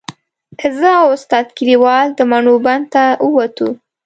زه او استاد کلیوال د مڼو بڼ ته ووتو.